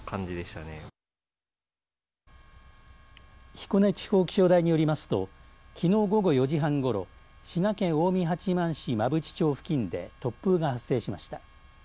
彦根地方気象台によりますときのう午後４時半ごろ滋賀県近江八幡市馬淵町付近で突風が発生しました。